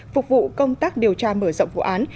phục vụ công tác điều tra mở rộng vụ án